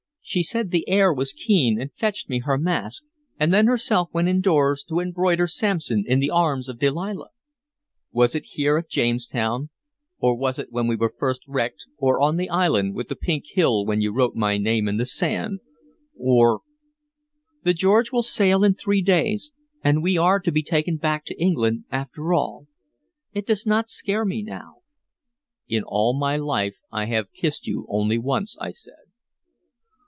She said the air was keen, and fetched me her mask, and then herself went indoors to embroider Samson in the arms of Delilah.' "Was it here at Jamestown, or was it when we were first wrecked, or on the island with the pink hill when you wrote my name in the sand, or" "The George will sail in three days, and we are to be taken back to England after all. It does not scare me now." "In all my life I have kissed you only once," I said.